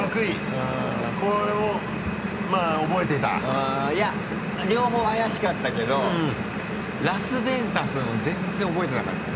うんいや両方怪しかったけど「ラス・ベンタス」は全然覚えてなかったね。